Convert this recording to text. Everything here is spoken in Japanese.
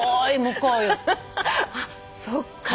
あっそっか。